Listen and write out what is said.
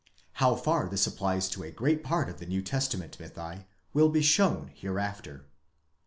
(How far this applies to a great part of the New Testa ment mythi, will be shown hereafter.)